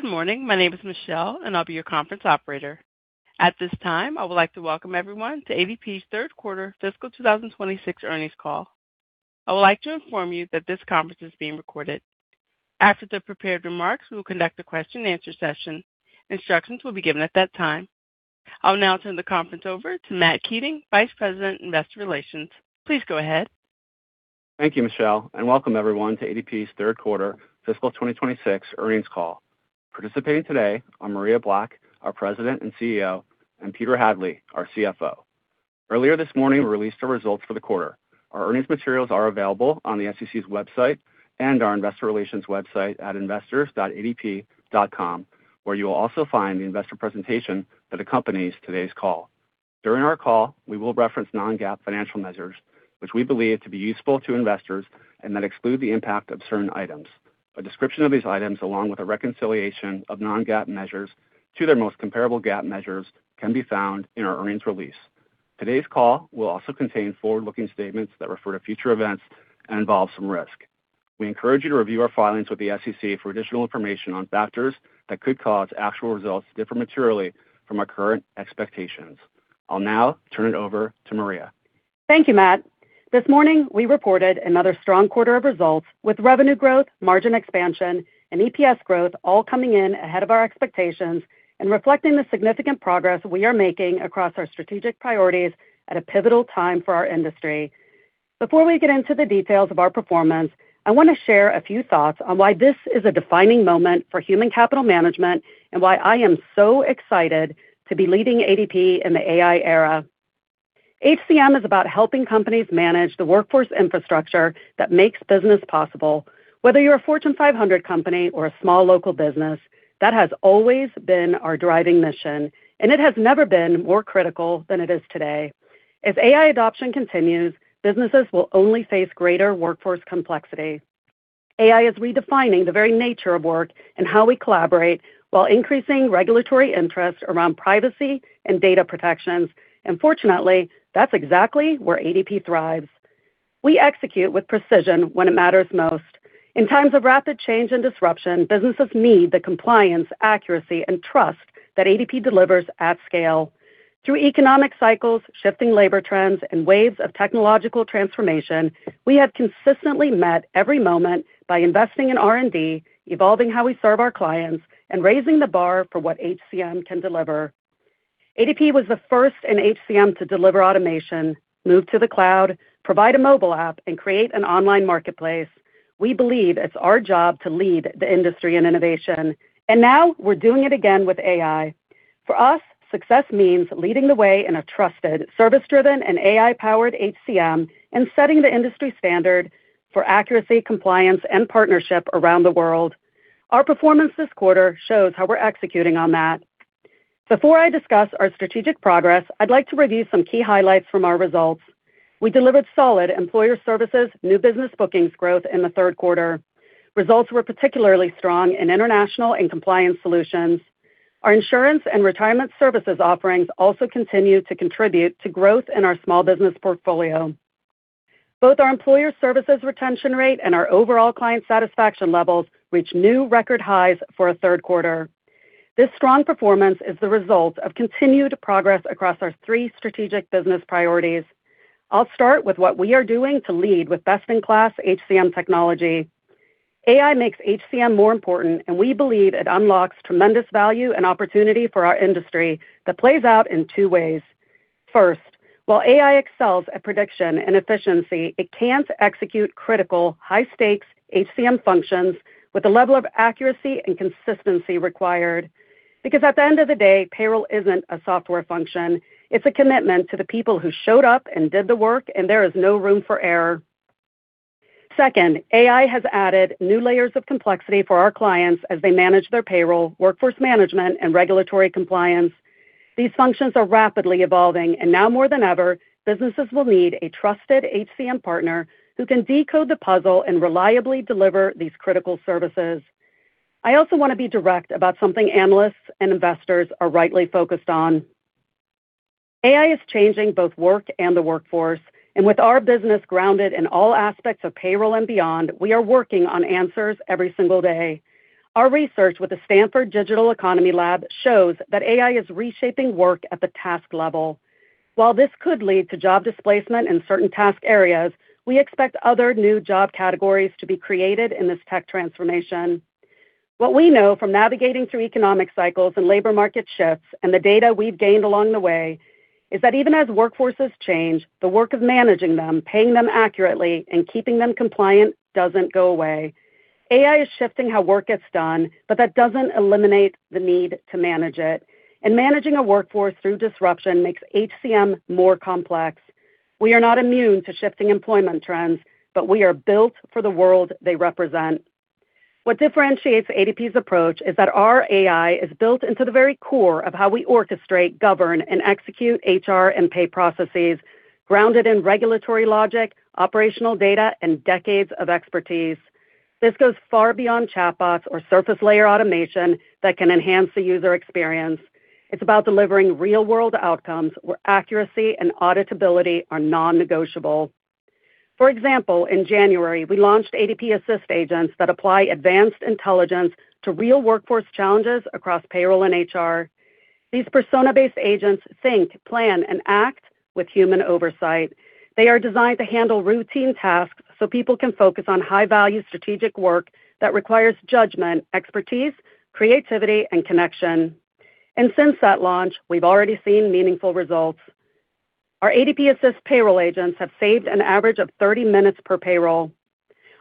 Good morning. My name is Michelle, and I'll be your conference operator. At this time, I would like to welcome everyone to ADP's third quarter fiscal 2026 earnings call. I would like to inform you that this conference is being recorded. After the prepared remarks, we will conduct a question and answer session. Instructions will be given at that time. I'll now turn the conference over to Matthew Keating, Vice President, Investor Relations. Please go ahead. Thank you, Michelle, and welcome everyone to ADP's third quarter fiscal 2026 earnings call. Participating today are Maria Black, our President and CEO, and Peter Hadley, our CFO. Earlier this morning, we released our results for the quarter. Our earnings materials are available on the SEC's website and our investor relations website at investors.adp.com, where you will also find the investor presentation that accompanies today's call. During our call, we will reference non-GAAP financial measures, which we believe to be useful to investors and that exclude the impact of certain items. A description of these items, along with a reconciliation of non-GAAP measures to their most comparable GAAP measures, can be found in our earnings release. Today's call will also contain forward-looking statements that refer to future events and involve some risk. We encourage you to review our filings with the SEC for additional information on factors that could cause actual results to differ materially from our current expectations. I'll now turn it over to Maria. Thank you, Matt. This morning, we reported another strong quarter of results with revenue growth, margin expansion, and EPS growth all coming in ahead of our expectations and reflecting the significant progress we are making across our strategic priorities at a pivotal time for our industry. Before we get into the details of our performance, I want to share a few thoughts on why this is a defining moment for human capital management and why I am so excited to be leading ADP in the AI era. HCM is about helping companies manage the workforce infrastructure that makes business possible. Whether you're a Fortune 500 company or a small local business, that has always been our driving mission, and it has never been more critical than it is today. As AI adoption continues, businesses will only face greater workforce complexity. AI is redefining the very nature of work and how we collaborate while increasing regulatory interest around privacy and data protections. Fortunately, that's exactly where ADP thrives. We execute with precision when it matters most. In times of rapid change and disruption, businesses need the compliance, accuracy, and trust that ADP delivers at scale. Through economic cycles, shifting labor trends, and waves of technological transformation, we have consistently met every moment by investing in R&D, evolving how we serve our clients, and raising the bar for what HCM can deliver. ADP was the first in HCM to deliver automation, move to the cloud, provide a mobile app, and create an online marketplace. We believe it's our job to lead the industry in innovation, and now we're doing it again with AI. For us, success means leading the way in a trusted, service-driven, and AI-powered HCM, and setting the industry standard for accuracy, compliance, and partnership around the world. Our performance this quarter shows how we're executing on that. Before I discuss our strategic progress, I'd like to review some key highlights from our results. We delivered solid Employer Services new business bookings growth in the third quarter. Results were particularly strong in international and compliance solutions. Our insurance and retirement services offerings also continue to contribute to growth in our small business portfolio. Both our Employer Services retention rate and our overall client satisfaction levels reached new record highs for a third quarter. This strong performance is the result of continued progress across our three strategic business priorities. I'll start with what we are doing to lead with best-in-class HCM technology. AI makes HCM more important, and we believe it unlocks tremendous value and opportunity for our industry that plays out in two ways. First, while AI excels at prediction and efficiency, it can't execute critical high-stakes HCM functions with the level of accuracy and consistency required. At the end of the day, payroll isn't a software function. It's a commitment to the people who showed up and did the work, and there is no room for error. Second, AI has added new layers of complexity for our clients as they manage their payroll, workforce management, and regulatory compliance. These functions are rapidly evolving, and now more than ever, businesses will need a trusted HCM partner who can decode the puzzle and reliably deliver these critical services. I also want to be direct about something analysts and investors are rightly focused on. AI is changing both work and the workforce, and with our business grounded in all aspects of payroll and beyond, we are working on answers every single day. Our research with the Stanford Digital Economy Lab shows that AI is reshaping work at the task level. While this could lead to job displacement in certain task areas, we expect other new job categories to be created in this tech transformation. What we know from navigating through economic cycles and labor market shifts and the data we've gained along the way is that even as workforces change, the work of managing them, paying them accurately, and keeping them compliant doesn't go away. AI is shifting how work gets done, but that doesn't eliminate the need to manage it. Managing a workforce through disruption makes HCM more complex. We are not immune to shifting employment trends, but we are built for the world they represent. What differentiates ADP's approach is that our AI is built into the very core of how we orchestrate, govern, and execute HR and pay processes grounded in regulatory logic, operational data, and decades of expertise. This goes far beyond chatbots or surface layer automation that can enhance the user experience. It's about delivering real-world outcomes where accuracy and auditability are non-negotiable. For example, in January, we launched ADP Assist agents that apply advanced intelligence to real workforce challenges across payroll and HR. These persona-based agents think, plan, and act with human oversight. They are designed to handle routine tasks so people can focus on high-value strategic work that requires judgment, expertise, creativity, and connection. Since that launch, we've already seen meaningful results. Our ADP Assist payroll agents have saved an average of 30 minutes per payroll.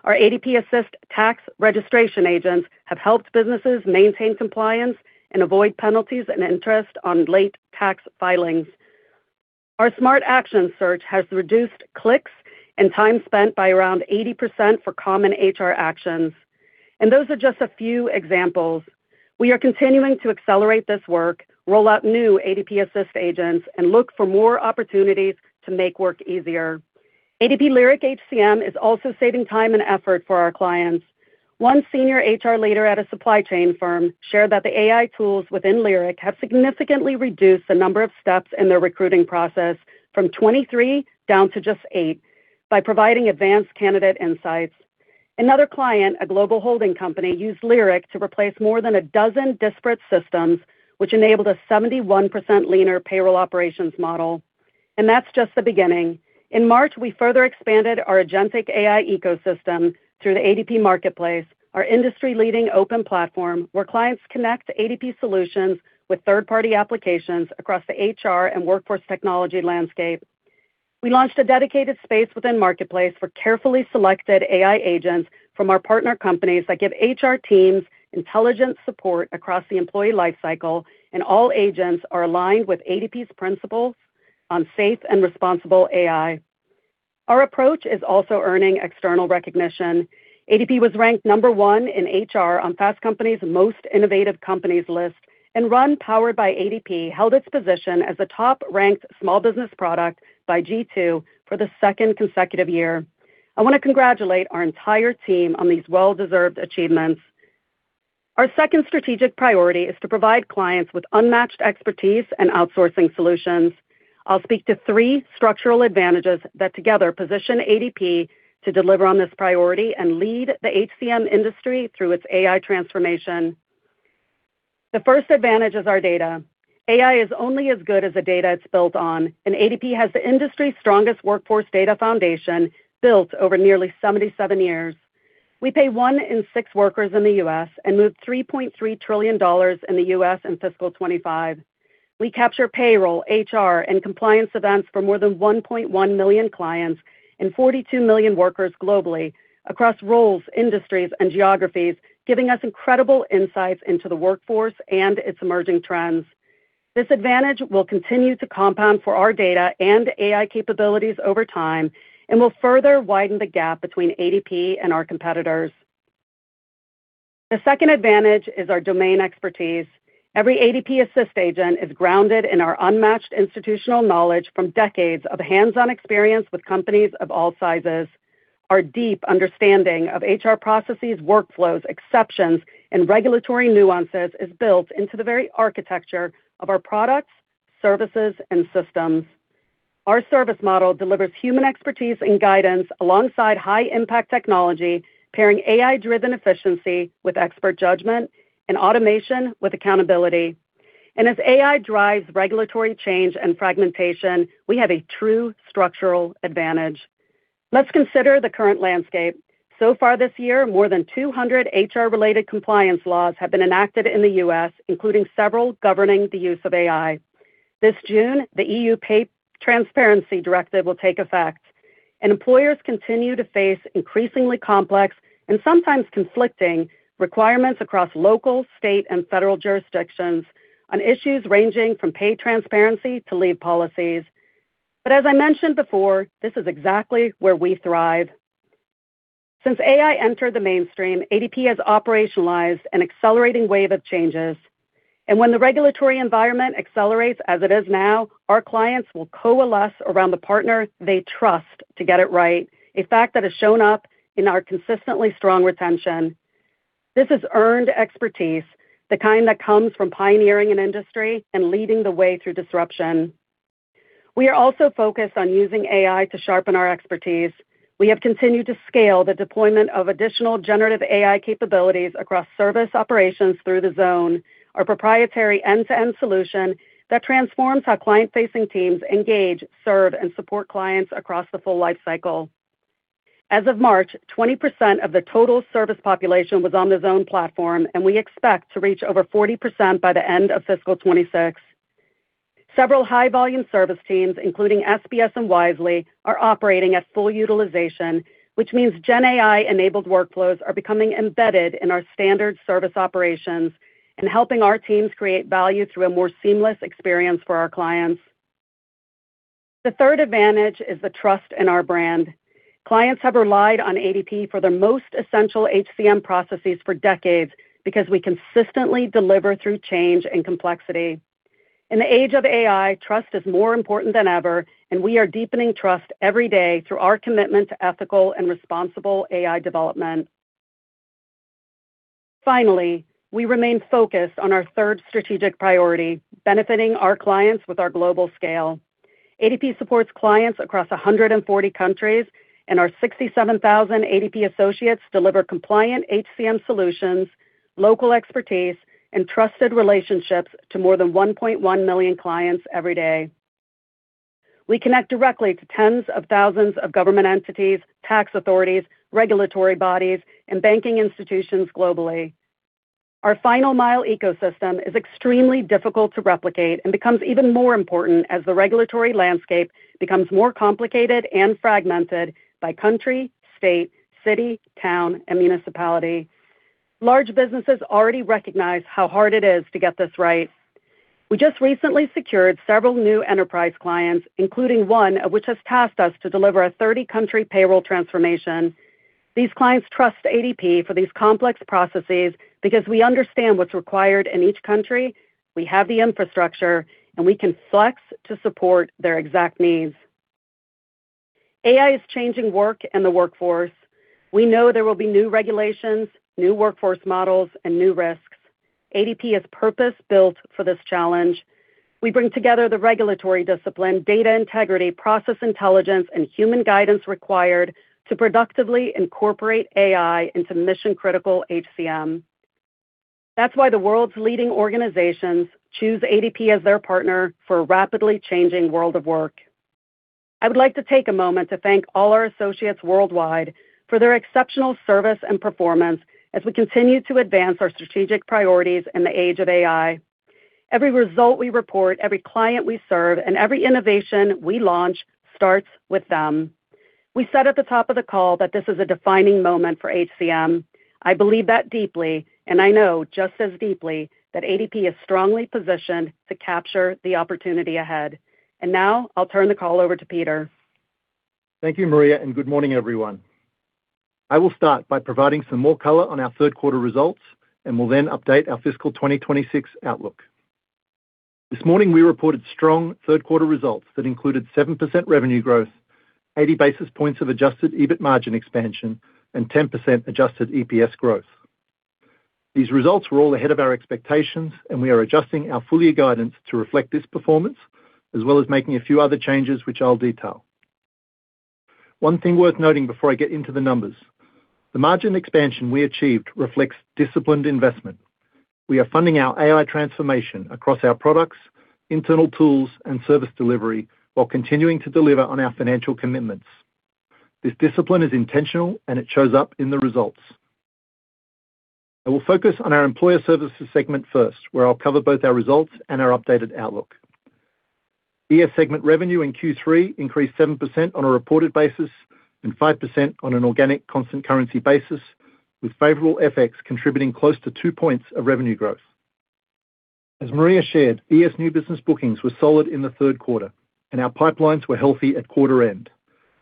Our ADP Assist tax registration agents have helped businesses maintain compliance and avoid penalties and interest on late tax filings. Our Smart Actions search has reduced clicks and time spent by around 80% for common HR actions. Those are just a few examples. We are continuing to accelerate this work, roll out new ADP Assist agents, and look for more opportunities to make work easier. ADP Lyric HCM is also saving time and effort for our clients. One senior HR leader at a supply chain firm shared that the AI tools within Lyric have significantly reduced the number of steps in their recruiting process from 23 down to just eight by providing advanced candidate insights. Another client, a global holding company, used Lyric to replace more than a dozen disparate systems, which enabled a 71% leaner payroll operations model. That's just the beginning. In March, we further expanded our agentic AI ecosystem through the ADP Marketplace, our industry-leading open platform where clients connect ADP solutions with third-party applications across the HR and workforce technology landscape. We launched a dedicated space within Marketplace for carefully selected AI agents from our partner companies that give HR teams intelligent support across the employee lifecycle, and all agents are aligned with ADP's principles on safe and responsible AI. Our approach is also earning external recognition. ADP was ranked number 1 in HR on Fast Company's Most Innovative Companies list, and RUN Powered by ADP held its position as the top-ranked small business product by G2 for the second consecutive year. I want to congratulate our entire team on these well-deserved achievements. Our second strategic priority is to provide clients with unmatched expertise and outsourcing solutions. I'll speak to three structural advantages that together position ADP to deliver on this priority and lead the HCM industry through its AI transformation. The first advantage is our data. AI is only as good as the data it's built on, and ADP has the industry's strongest workforce data foundation built over nearly 77 years. We pay one in six workers in the U.S. and moved $3.3 trillion in the U.S. in fiscal 2025. We capture payroll, HR, and compliance events for more than 1.1 million clients and 42 million workers globally across roles, industries, and geographies, giving us incredible insights into the workforce and its emerging trends. This advantage will continue to compound for our data and AI capabilities over time and will further widen the gap between ADP and our competitors. The second advantage is our domain expertise. Every ADP Assist agent is grounded in our unmatched institutional knowledge from decades of hands-on experience with companies of all sizes. Our deep understanding of HR processes, workflows, exceptions, and regulatory nuances is built into the very architecture of our products, services, and systems. Our service model delivers human expertise and guidance alongside high-impact technology, pairing AI-driven efficiency with expert judgment and automation with accountability. As AI drives regulatory change and fragmentation, we have a true structural advantage. Let's consider the current landscape. So far this year, more than 200 HR-related compliance laws have been enacted in the U.S., including several governing the use of AI. This June, the EU Pay Transparency Directive will take effect. Employers continue to face increasingly complex and sometimes conflicting requirements across local, state, and federal jurisdictions on issues ranging from pay transparency to leave policies. As I mentioned before, this is exactly where we thrive. Since AI entered the mainstream, ADP has operationalized an accelerating wave of changes. When the regulatory environment accelerates as it is now, our clients will coalesce around the partner they trust to get it right, a fact that has shown up in our consistently strong retention. This is earned expertise, the kind that comes from pioneering an industry and leading the way through disruption. We are also focused on using AI to sharpen our expertise. We have continued to scale the deployment of additional generative AI capabilities across service operations through The Zone, our proprietary end-to-end solution that transforms how client-facing teams engage, serve, and support clients across the full lifecycle. As of March, 20% of the total service population was on The Zone platform, and we expect to reach over 40% by the end of fiscal 2026. Several high-volume service teams, including SBS and Wisely, are operating at full utilization, which means gen AI-enabled workflows are becoming embedded in our standard service operations and helping our teams create value through a more seamless experience for our clients. The third advantage is the trust in our brand. Clients have relied on ADP for their most essential HCM processes for decades because we consistently deliver through change and complexity. In the age of AI, trust is more important than ever, and we are deepening trust every day through our commitment to ethical and responsible AI development. We remain focused on our third strategic priority, benefiting our clients with our global scale. ADP supports clients across 140 countries, and our 67,000 ADP associates deliver compliant HCM solutions, local expertise, and trusted relationships to more than 1.1 million clients every day. We connect directly to tens of thousands of government entities, tax authorities, regulatory bodies, and banking institutions globally. Our final mile ecosystem is extremely difficult to replicate and becomes even more important as the regulatory landscape becomes more complicated and fragmented by country, state, city, town, and municipality. Large businesses already recognize how hard it is to get this right. We just recently secured several new enterprise clients, including one of which has tasked us to deliver a 30-country payroll transformation. These clients trust ADP for these complex processes because we understand what's required in each country, we have the infrastructure, and we can flex to support their exact needs. AI is changing work and the workforce. We know there will be new regulations, new workforce models, and new risks. ADP is purpose-built for this challenge. We bring together the regulatory discipline, data integrity, process intelligence, and human guidance required to productively incorporate AI into mission-critical HCM. That's why the world's leading organizations choose ADP as their partner for a rapidly changing world of work. I would like to take a moment to thank all our associates worldwide for their exceptional service and performance as we continue to advance our strategic priorities in the age of AI. Every result we report, every client we serve, and every innovation we launch starts with them. We said at the top of the call that this is a defining moment for HCM. I believe that deeply, and I know just as deeply that ADP is strongly positioned to capture the opportunity ahead. Now I'll turn the call over to Peter. Thank you, Maria. Good morning, everyone. I will start by providing some more color on our third quarter results and will then update our fiscal 2026 outlook. This morning, we reported strong third quarter results that included 7% revenue growth, 80 basis points of adjusted EBIT margin expansion, and 10% adjusted EPS growth. These results were all ahead of our expectations, and we are adjusting our full-year guidance to reflect this performance, as well as making a few other changes, which I'll detail. One thing worth noting before I get into the numbers, the margin expansion we achieved reflects disciplined investment. We are funding our AI transformation across our products, internal tools, and service delivery while continuing to deliver on our financial commitments. This discipline is intentional, and it shows up in the results. I will focus on our Employer Services segment first, where I'll cover both our results and our updated outlook. ES segment revenue in Q3 increased 7% on a reported basis and 5% on an organic constant currency basis, with favorable FX contributing close to 2 points of revenue growth. As Maria shared, ES new business bookings were solid in the third quarter, and our pipelines were healthy at quarter end.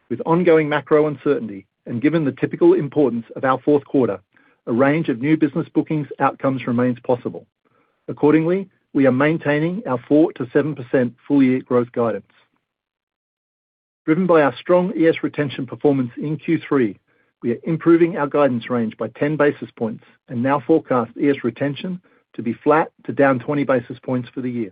With ongoing macro uncertainty and given the typical importance of our fourth quarter, a range of new business bookings outcomes remains possible. Accordingly, we are maintaining our 4%-7% full year growth guidance. Driven by our strong ES retention performance in Q3, we are improving our guidance range by 10 basis points and now forecast ES retention to be flat to down 20 basis points for the year.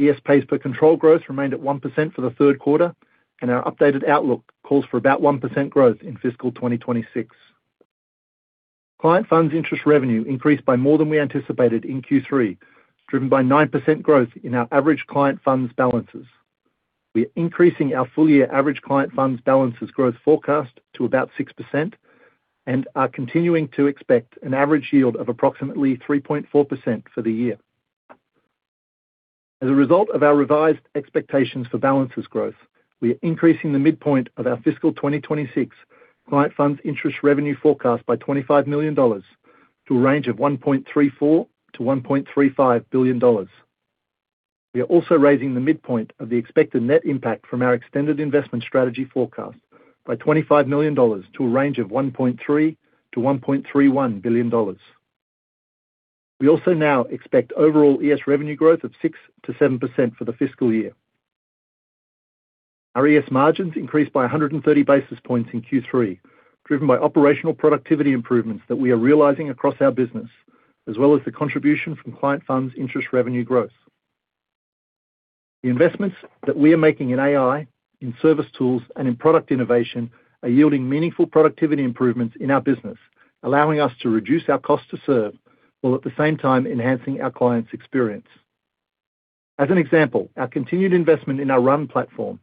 ES pays per control growth remained at 1% for the third quarter. Our updated outlook calls for about 1% growth in fiscal 2026. Client funds interest revenue increased by more than we anticipated in Q3, driven by 9% growth in our average client funds balances. We are increasing our full year average client funds balances growth forecast to about 6% and are continuing to expect an average yield of approximately 3.4% for the year. As a result of our revised expectations for balances growth, we are increasing the midpoint of our fiscal 2026 client funds interest revenue forecast by $25 million to a range of $1.34 billion-$1.35 billion. We are also raising the midpoint of the expected net impact from our extended investment strategy forecast by $25 million to a range of $1.3 billion-$1.31 billion. We also now expect overall ES revenue growth of 6%-7% for the fiscal year. Our ES margins increased by 130 basis points in Q3, driven by operational productivity improvements that we are realizing across our business, as well as the contribution from client funds interest revenue growth. The investments that we are making in AI, in service tools, and in product innovation are yielding meaningful productivity improvements in our business, allowing us to reduce our cost to serve while at the same time enhancing our client's experience. As an example, our continued investment in our RUN platform,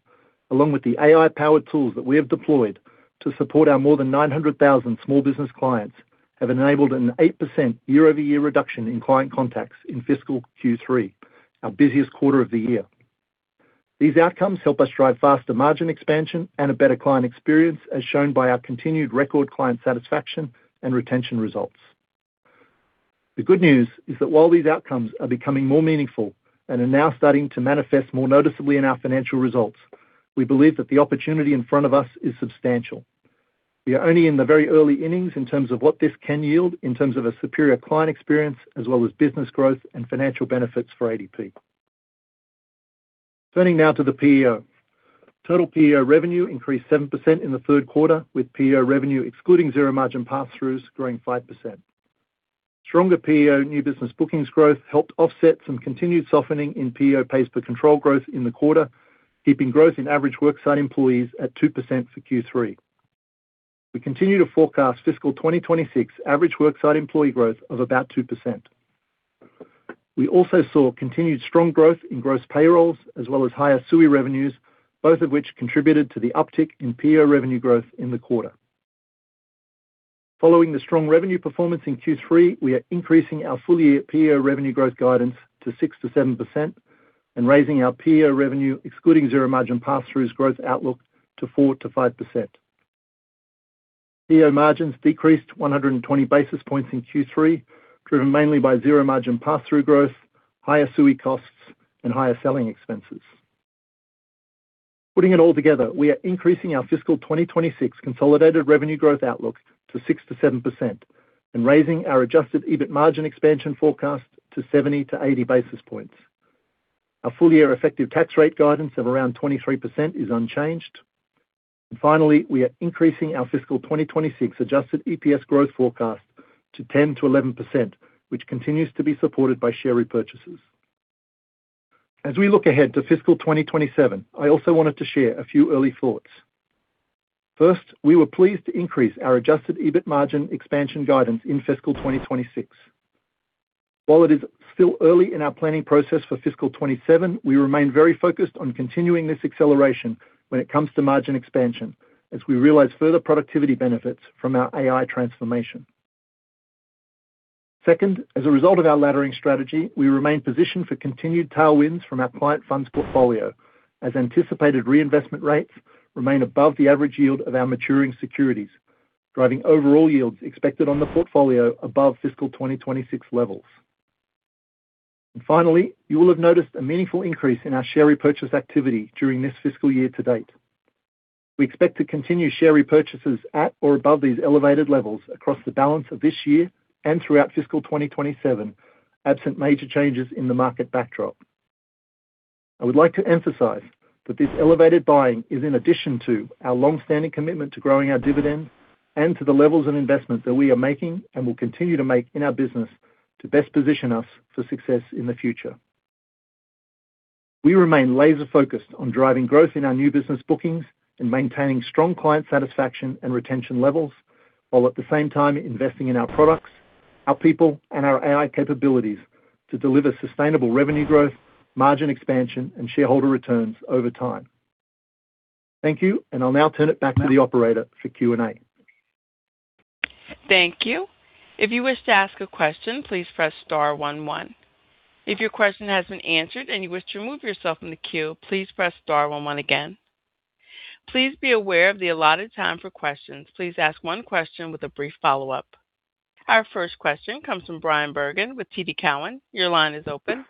along with the AI-powered tools that we have deployed to support our more than 900,000 small business clients, have enabled an 8% year-over-year reduction in client contacts in fiscal Q3, our busiest quarter of the year. These outcomes help us drive faster margin expansion and a better client experience, as shown by our continued record client satisfaction and retention results. The good news is that while these outcomes are becoming more meaningful and are now starting to manifest more noticeably in our financial results, we believe that the opportunity in front of us is substantial. We are only in the very early innings in terms of what this can yield in terms of a superior client experience as well as business growth and financial benefits for ADP. Turning now to the PEO. Total PEO revenue increased 7% in the third quarter, with PEO revenue excluding zero margin passthroughs growing 5%. Stronger PEO new business bookings growth helped offset some continued softening in PEO pace for control growth in the quarter, keeping growth in average worksite employees at 2% for Q3. We continue to forecast fiscal 2026 average worksite employee growth of about 2%. We also saw continued strong growth in gross payrolls, as well as higher SUI revenues, both of which contributed to the uptick in PEO revenue growth in the quarter. Following the strong revenue performance in Q3, we are increasing our full year PEO revenue growth guidance to 6%-7% and raising our PEO revenue, excluding zero margin passthroughs growth outlook to 4%-5%. PEO margins decreased 120 basis points in Q3, driven mainly by zero margin passthrough growth, higher SUI costs, and higher selling expenses. Putting it all together, we are increasing our fiscal 2026 consolidated revenue growth outlook to 6%-7% and raising our adjusted EBIT margin expansion forecast to 70-80 basis points. Our full year effective tax rate guidance of around 23% is unchanged. Finally, we are increasing our fiscal 2026 adjusted EPS growth forecast to 10%-11%, which continues to be supported by share repurchases. As we look ahead to fiscal 2027, I also wanted to share a few early thoughts. First, we were pleased to increase our adjusted EBIT margin expansion guidance in fiscal 2026. While it is still early in our planning process for fiscal 2027, we remain very focused on continuing this acceleration when it comes to margin expansion as we realize further productivity benefits from our AI transformation. Second, as a result of our laddering strategy, we remain positioned for continued tailwinds from our client funds portfolio as anticipated reinvestment rates remain above the average yield of our maturing securities, driving overall yields expected on the portfolio above fiscal 2026 levels. Finally, you will have noticed a meaningful increase in our share repurchase activity during this fiscal year to date. We expect to continue share repurchases at or above these elevated levels across the balance of this year and throughout fiscal 2027, absent major changes in the market backdrop. I would like to emphasize that this elevated buying is in addition to our long-standing commitment to growing our dividend and to the levels of investments that we are making and will continue to make in our business to best position us for success in the future. We remain laser-focused on driving growth in our new business bookings and maintaining strong client satisfaction and retention levels, while at the same time investing in our products, our people, and our AI capabilities to deliver sustainable revenue growth, margin expansion, and shareholder returns over time. Thank you, and I'll now turn it back to the operator for Q&A. Thank you. If you wish to ask a question, please press star one one. If your question has been answered and you wish to remove yourself from the queue, please press star one one again. Please be aware of the allotted time for questions. Please ask one question with a brief follow-up. Our first question comes from Bryan Bergin with TD Cowen. Your line is open.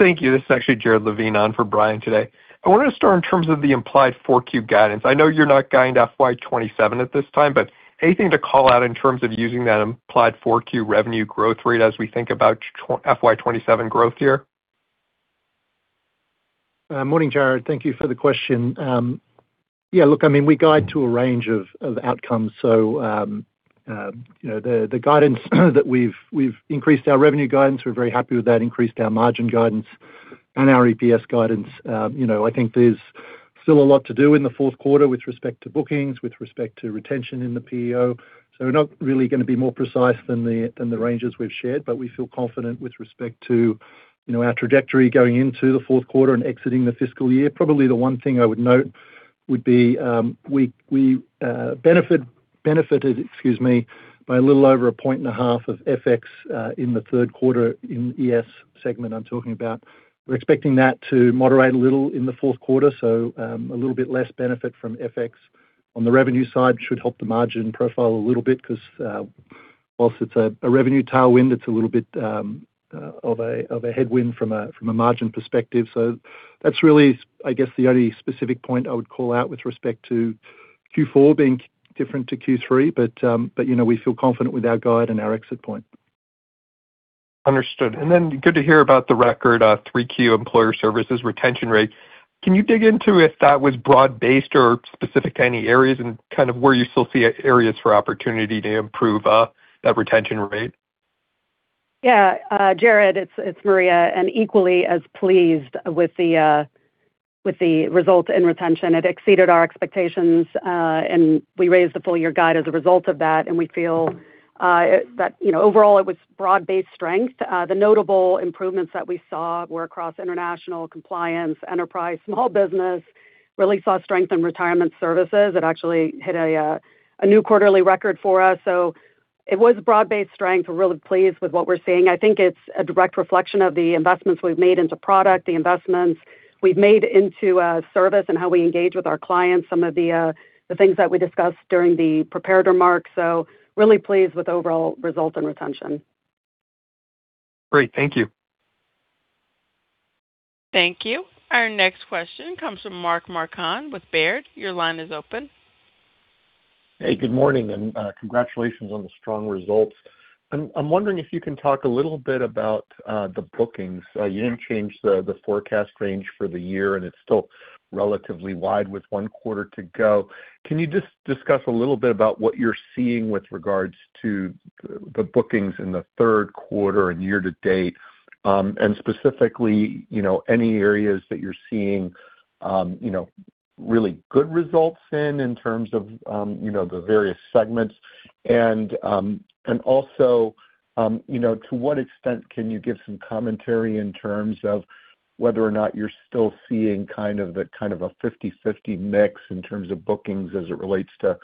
Thank you. This is actually Jared Levine on for Bryan Bergin today. I wanted to start in terms of the implied 4Q guidance. I know you're not guiding FY 2027 at this time. Anything to call out in terms of using that implied 4Q revenue growth rate as we think about FY 2027 growth year? Morning, Jared Levine. Thank you for the question. Yeah, look, I mean, we guide to a range of outcomes. You know, the guidance that we've increased our revenue guidance. We're very happy with that. Increased our margin guidance and our EPS guidance. You know, I think there's still a lot to do in the fourth quarter with respect to bookings, with respect to retention in the PEO. We're not really gonna be more precise than the ranges we've shared, but we feel confident with respect to, you know, our trajectory going into the fourth quarter and exiting the fiscal year. Probably the one thing I would note would be, we benefited, excuse me, by a little over a point and a half of FX in the third quarter in ES segment, I'm talking about. We're expecting that to moderate a little in the fourth quarter. A little bit less benefit from FX on the revenue side should help the margin profile a little bit, 'cause whilst it's a revenue tailwind, it's a little bit of a headwind from a margin perspective. That's really, I guess, the only specific point I would call out with respect to Q4 being different to Q3. You know, we feel confident with our guide and our exit point. Understood. Good to hear about the record 3Q Employer Services retention rate. Can you dig into if that was broad-based or specific to any areas and kind of where you still see areas for opportunity to improve that retention rate? Yeah, Jared, it's Maria, and equally as pleased with the results in retention. It exceeded our expectations, and we raised the full year guide as a result of that. We feel, you know, overall it was broad-based strength. The notable improvements that we saw were across international compliance, enterprise, small business. Really saw strength in retirement services. It actually hit a new quarterly record for us. It was broad-based strength. We're really pleased with what we're seeing. I think it's a direct reflection of the investments we've made into product, the investments we've made into service and how we engage with our clients, some of the things that we discussed during the prepared remarks. Really pleased with overall results and retention. Great. Thank you. Thank you. Our next question comes from Mark Marcon with Baird. Your line is open. Hey, good morning, and congratulations on the strong results. I'm wondering if you can talk a little bit about the bookings. You didn't change the forecast range for the year, and it's still relatively wide with one quarter to go. Can you just discuss a little bit about what you're seeing with regards to the bookings in the third quarter and year to date? Specifically, you know, any areas that you're seeing, you know, really good results in terms of, you know, the various segments. Also, you know, to what extent can you give some commentary in terms of whether or not you're still seeing a 50/50 mix in terms of bookings as it relates to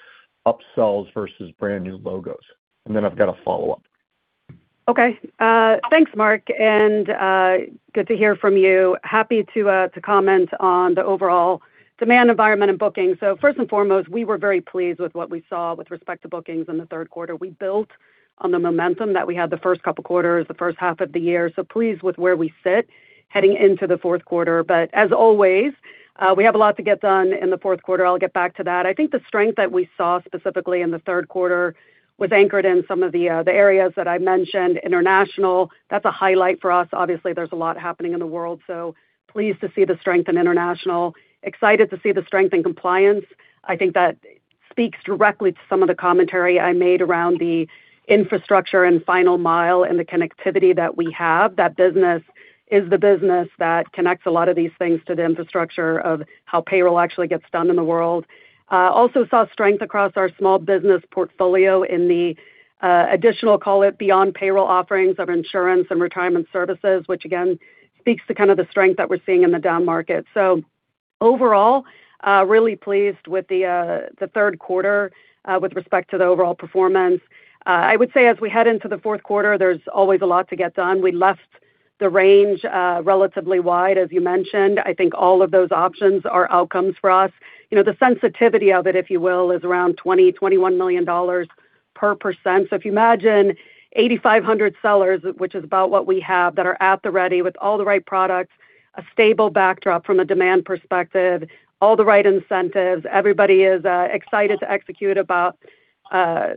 upsells versus brand new logos? I've got a follow-up. Okay. Thanks, Mark, and good to hear from you. Happy to comment on the overall demand environment and bookings. First and foremost, we were very pleased with what we saw with respect to bookings in the third quarter we built on the momentum that we had the first couple quarters, the first half of the year. Pleased with where we sit heading into the fourth quarter. As always, we have a lot to get done in the fourth quarter. I'll get back to that. I think the strength that we saw specifically in the third quarter was anchored in some of the areas that I mentioned, international, that's a highlight for us. Obviously, there's a lot happening in the world, so pleased to see the strength in international. Excited to see the strength in compliance. I think that speaks directly to some of the commentary I made around the infrastructure and final mile and the connectivity that we have. That business is the business that connects a lot of these things to the infrastructure of how payroll actually gets done in the world. Also saw strength across our small business portfolio in the additional, call it, beyond payroll offerings of insurance and retirement services, which again speaks to kind of the strength that we're seeing in the down market. Overall, really pleased with the third quarter with respect to the overall performance. I would say as we head into the fourth quarter, there's always a lot to get done. We left the range relatively wide, as you mentioned. I think all of those options are outcomes for us. You know, the sensitivity of it, if you will, is around $20 million, $21 million per percent. If you imagine 8,500 sellers, which is about what we have, that are at the ready with all the right products, a stable backdrop from a demand perspective, all the right incentives. Everybody is excited to execute about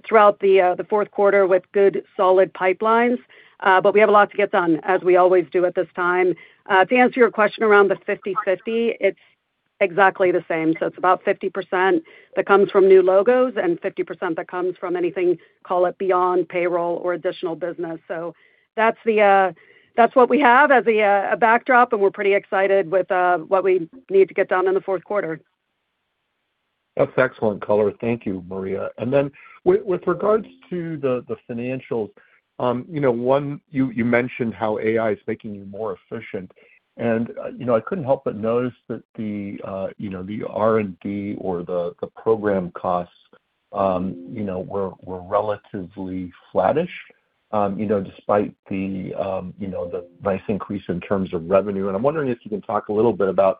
throughout the fourth quarter with good, solid pipelines. We have a lot to get done, as we always do at this time. To answer your question around the 50/50, it's exactly the same. It's about 50% that comes from new logos and 50% that comes from anything, call it, beyond payroll or additional business. That's the, that's what we have as a backdrop, and we're pretty excited with what we need to get done in the fourth quarter. That's excellent color. Thank you, Maria. Then with regards to the financials, you know, one, you mentioned how AI is making you more efficient. You know, I couldn't help but notice that the, you know, the R&D or the program costs, you know, were relatively flattish, you know, despite the, you know, the nice increase in terms of revenue. I'm wondering if you can talk a little bit about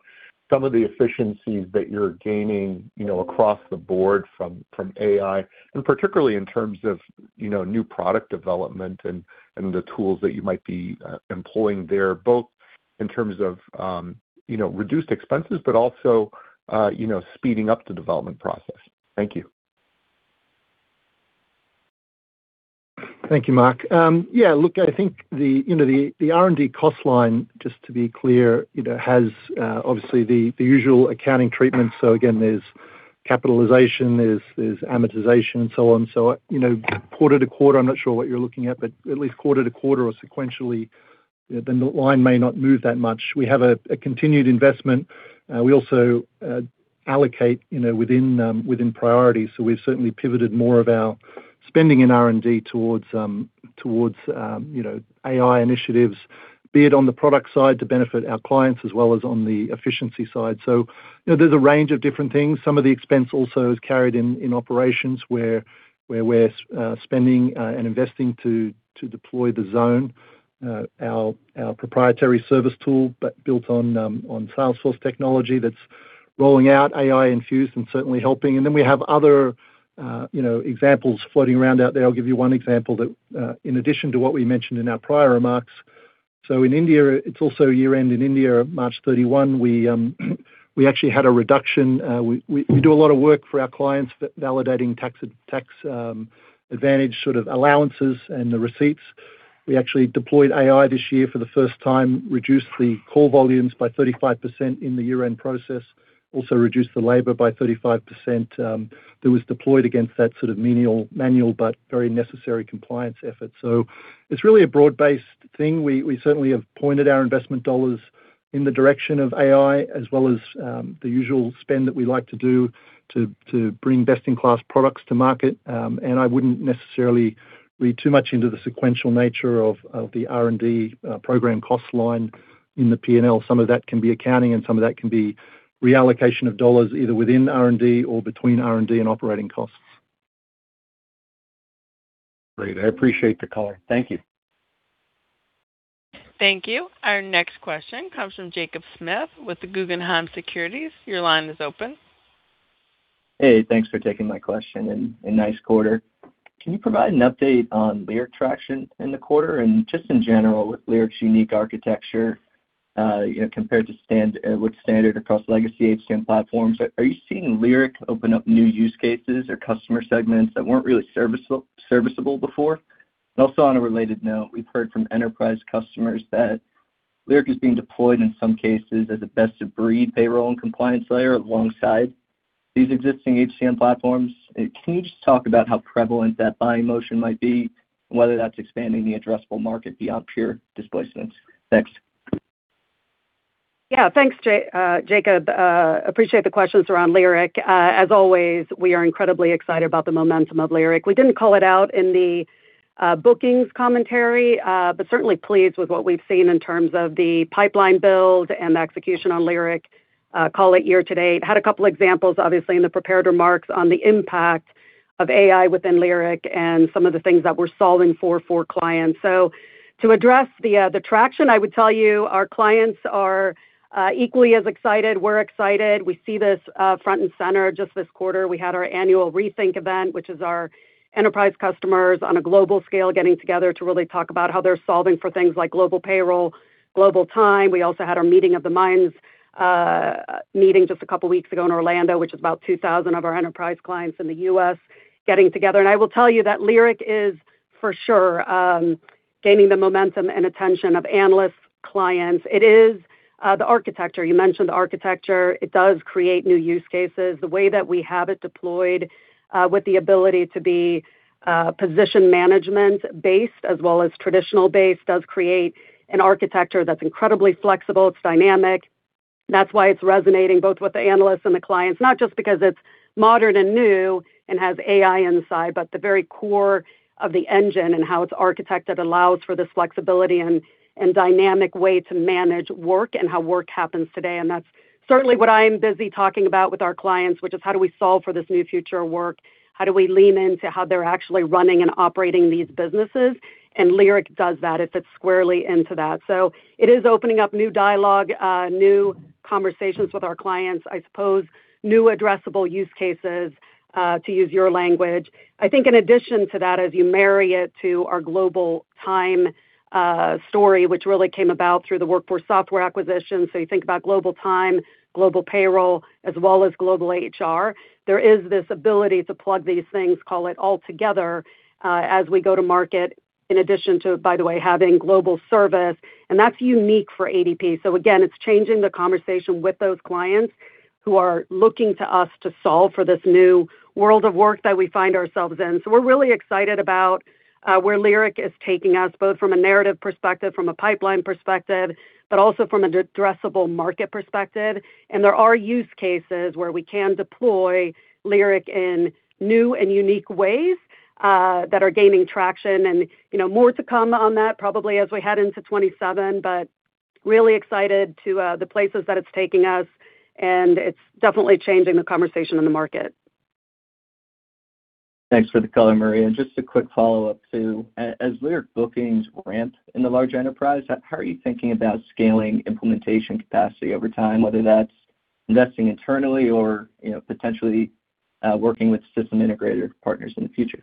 some of the efficiencies that you're gaining, you know, across the board from AI, and particularly in terms of, you know, new product development and the tools that you might be employing there, both in terms of, you know, reduced expenses, but also, you know, speeding up the development process. Thank you. Thank you, Mark. Yeah, look, I think the, you know, the R&D cost line, just to be clear, you know, has obviously the usual accounting treatment. Again, there's capitalization, there's amortization and so on. You know, quarter to quarter, I'm not sure what you're looking at, but at least quarter to quarter or sequentially, you know, the line may not move that much. We have a continued investment. We also allocate, you know, within priorities. We've certainly pivoted more of our spending in R&D towards, you know, AI initiatives, be it on the product side to benefit our clients as well as on the efficiency side. You know, there's a range of different things. Some of the expense also is carried in operations where we're spending and investing to deploy The Zone, our proprietary service tool, but built on Salesforce technology that's rolling out AI infused and certainly helping. We have other, you know, examples floating around out there. I'll give you one example that, in addition to what we mentioned in our prior remarks. In India, it's also year-end in India, March 31, we actually had a reduction. We do a lot of work for our clients validating tax advantage sort of allowances and the receipts. We actually deployed AI this year for the first time, reduced the call volumes by 35% in the year-end process, also reduced the labor by 35%, that was deployed against that sort of manual but very necessary compliance effort. It's really a broad-based thing. We certainly have pointed our investment dollars in the direction of AI, as well as the usual spend that we like to do to bring best-in-class products to market. I wouldn't necessarily read too much into the sequential nature of the R&D program cost line in the P&L. Some of that can be accounting, some of that can be reallocation of dollars either within R&D or between R&D and operating costs. Great. I appreciate the color. Thank you. Thank you. Our next question comes from Jacob Smith with the Guggenheim Securities. Your line is open. Hey, thanks for taking my question and a nice quarter. Can you provide an update on Lyric traction in the quarter? Just in general, with Lyric's unique architecture, you know, compared to with standard across legacy HCM platforms, are you seeing Lyric open up new use cases or customer segments that weren't really serviceable before? Also on a related note, we've heard from enterprise customers that Lyric is being deployed in some cases as a best-of-breed payroll and compliance layer alongside these existing HCM platforms. Can you just talk about how prevalent that buying motion might be, and whether that's expanding the addressable market beyond pure displacements? Thanks. Yeah. Thanks Jacob. Appreciate the questions around Lyric. As always, we are incredibly excited about the momentum of Lyric. We didn't call it out in the bookings commentary, certainly pleased with what we've seen in terms of the pipeline build and the execution on Lyric, call it year to date. Had a couple examples, obviously, in the prepared remarks on the impact of AI within Lyric and some of the things that we're solving for for clients. To address the traction, I would tell you our clients are equally as excited. We're excited. We see this front and center just this quarter. We had our annual ReThink event, which is our enterprise customers on a global scale getting together to really talk about how they're solving for things like global payroll, global time. We also had our Meeting of the Minds meeting just a couple weeks ago in Orlando, which is about 2,000 of our enterprise clients in the U.S. getting together. I will tell you that Lyric is, for sure, gaining the momentum and attention of analysts, clients. It is the architecture. You mentioned the architecture. It does create new use cases. The way that we have it deployed with the ability to be position management-based as well as traditional-based does create an architecture that's incredibly flexible. It's dynamic. That's why it's resonating both with the analysts and the clients, not just because it's modern and new and has AI inside, but the very core of the engine and how it's architected allows for this flexibility and dynamic way to manage work and how work happens today. That's certainly what I'm busy talking about with our clients, which is, how do we solve for this new future of work? How do we lean into how they're actually running and operating these businesses? Lyric does that. It fits squarely into that. It is opening up new dialogue, new conversations with our clients. I suppose new addressable use cases, to use your language. I think in addition to that, as you marry it to our global time story, which really came about through the WorkForce Software acquisition, you think about global time, global payroll, as well as global HR, there is this ability to plug these things, call it altogether, as we go to market, in addition to, by the way, having global service, and that's unique for ADP. Again, it's changing the conversation with those clients who are looking to us to solve for this new world of work that we find ourselves in. We're really excited about where Lyric is taking us, both from a narrative perspective, from a pipeline perspective, but also from an addressable market perspective. There are use cases where we can deploy Lyric in new and unique ways that are gaining traction. You know, more to come on that probably as we head into 2027, but really excited to the places that it's taking us, and it's definitely changing the conversation in the market. Thanks for the color, Maria. Just a quick follow-up, too. As Lyric bookings ramp in the large enterprise, how are you thinking about scaling implementation capacity over time, whether that's investing internally or, you know, potentially working with system integrator partners in the future?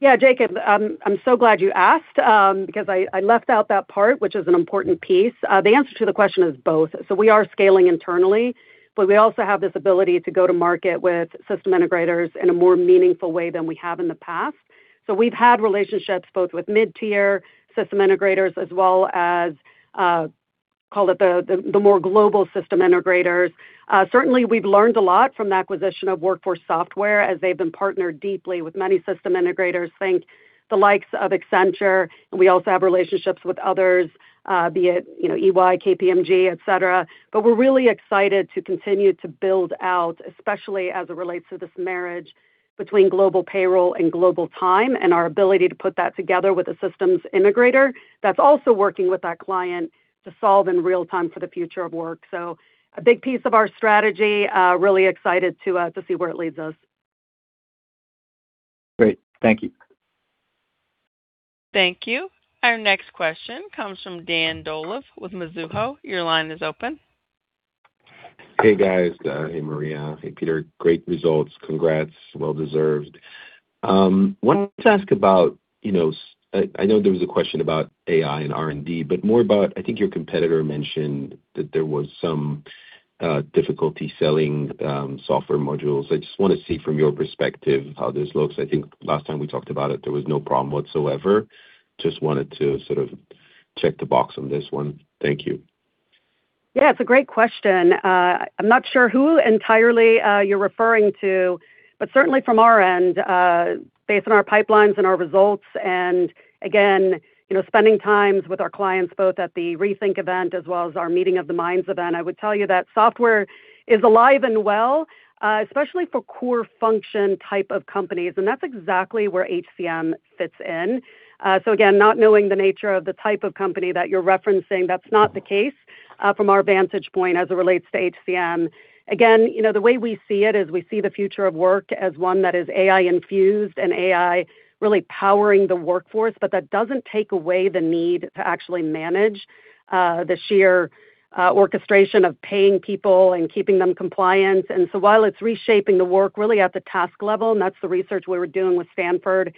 Yeah, Jacob Smith, I'm so glad you asked, because I left out that part, which is an important piece. The answer to the question is both. We are scaling internally, but we also have this ability to go to market with system integrators in a more meaningful way than we have in the past. We've had relationships both with mid-tier system integrators as well as, call it the more global system integrators. Certainly we've learned a lot from the acquisition of WorkForce Software as they've been partnered deeply with many system integrators. Think the likes of Accenture, and we also have relationships with others, be it, you know, EY, KPMG, et cetera. We're really excited to continue to build out, especially as it relates to this marriage between global payroll and global time and our ability to put that together with a systems integrator that's also working with that client to solve in real time for the future of work. A big piece of our strategy, really excited to see where it leads us. Great. Thank you. Thank you. Our next question comes from Dan Dolev with Mizuho. Your line is open. Hey, guys. Hey, Maria. Hey, Peter. Great results. Congrats. Well deserved. Wanted to ask about, you know, I know there was a question about AI and R&D, but more about, I think your competitor mentioned that there was some difficulty selling software modules. I just wanna see from your perspective how this looks. I think last time we talked about it, there was no problem whatsoever. Just wanted to sort of check the box on this one. Thank you. Yeah, it's a great question. I'm not sure who entirely you're referring to, but certainly from our end, based on our pipelines and our results. Again, you know, spending times with our clients both at the ReThink event as well as our Meeting of the Minds event, I would tell you that software is alive and well, especially for core function type of companies, and that's exactly where HCM fits in. Again, not knowing the nature of the type of company that you're referencing, that's not the case, from our vantage point as it relates to HCM. You know, the way we see it is we see the future of work as one that is AI infused and AI really powering the workforce, but that doesn't take away the need to actually manage the sheer orchestration of paying people and keeping them compliant. While it's reshaping the work really at the task level, and that's the research we were doing with Stanford.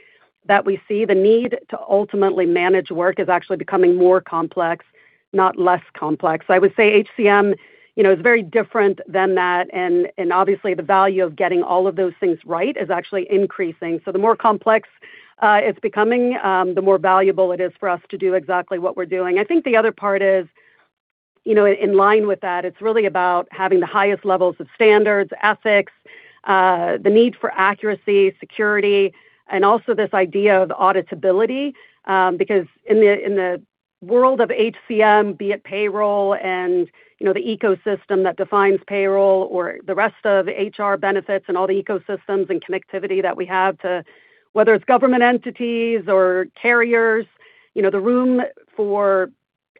That we see the need to ultimately manage work is actually becoming more complex, not less complex. I would say HCM, you know, is very different than that. Obviously the value of getting all of those things right is actually increasing. The more complex it's becoming, the more valuable it is for us to do exactly what we're doing. I think the other part is, you know, in line with that, it's really about having the highest levels of standards, ethics, the need for accuracy, security, and also this idea of auditability. Because in the, in the world of HCM, be it payroll and, you know, the ecosystem that defines payroll or the rest of HR benefits and all the ecosystems and connectivity that we have to, whether it's government entities or carriers, you know, the room for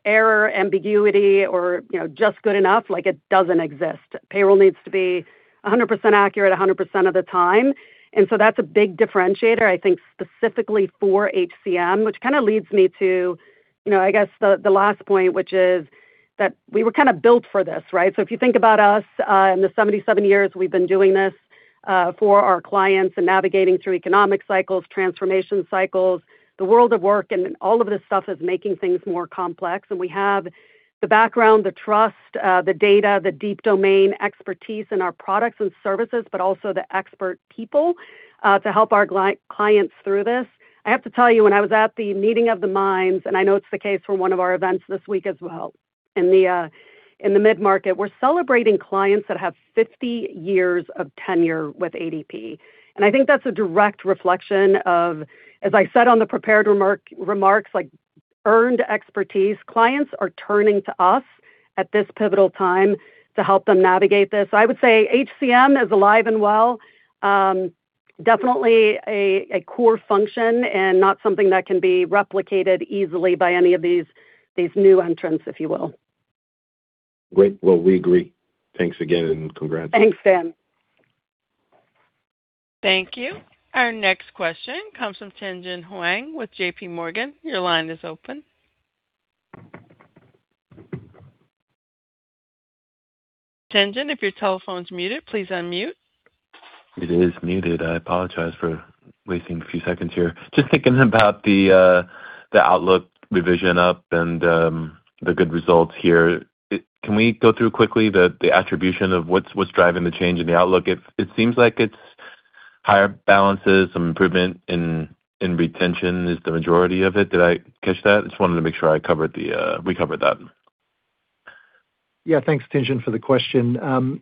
error, ambiguity or, you know, just good enough, like, it doesn't exist. Payroll needs to be 100% accurate 100% of the time. That's a big differentiator, I think, specifically for HCM, which kind of leads me to, you know, I guess the last point, which is that we were kind of built for this, right? If you think about us, in the 77 years we've been doing this, for our clients and navigating through economic cycles, transformation cycles. The world of work and all of this stuff is making things more complex. We have the background, the trust, the data, the deep domain expertise in our products and services, but also the expert people, to help our clients through this. I have to tell you, when I was at the Meeting of the Minds, and I know it's the case for one of our events this week as well, in the mid-market, we're celebrating clients that have 50 years of tenure with ADP. I think that's a direct reflection of, as I said on the prepared remarks, like earned expertise. Clients are turning to us at this pivotal time to help them navigate this. I would say HCM is alive and well. Definitely a core function and not something that can be replicated easily by any of these new entrants, if you will. Great. Well, we agree. Thanks again, and congrats. Thanks, Dan. Thank you. Our next question comes from Tien-tsin Huang with JPMorgan. Your line is open. Tien-tsin Huang, if your telephone's muted, please unmute. It is muted. I apologize for wasting a few seconds here. Just thinking about the outlook revision up and, the good results here. Can we go through quickly the attribution of what's driving the change in the outlook? It seems like it's higher balances, some improvement in retention is the majority of it. Did I catch that? Just wanted to make sure I covered the, we covered that. Thanks, Tien-tsin, for the question.